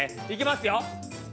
いきますよ。